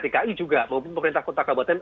dki juga maupun pemerintah kota kabupaten